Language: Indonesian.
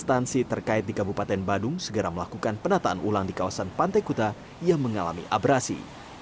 instansi terkait di kabupaten badung segera melakukan penataan ulang di kawasan pantai kuta yang mengalami abrasi